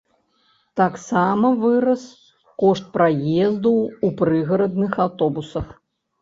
Таксама вырас кошт праезду ў прыгарадных аўтобусах.